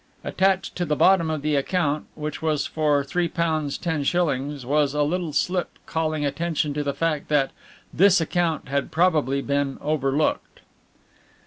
Attached to the bottom of the account, which was for £3 10s., was a little slip calling attention to the fact that "this account had probably been overlooked."